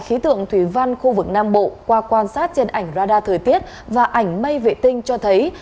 khí tượng thủy văn khu vực nam bộ qua quan sát trên ảnh radar thời tiết và ảnh mây vệ tinh cho thấy